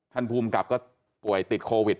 ท่านผู้หรือกรรมกลับก็ป่วยติด